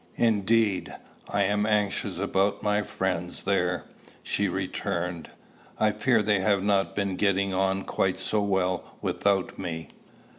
"Indeed, I am anxious about my friends there," she returned. "I fear they have not been getting on quite so well without me.